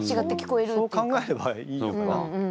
そう考えればいいのか。